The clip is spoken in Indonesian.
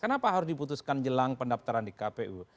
kenapa harus diputuskan jelang pendaftaran di kpu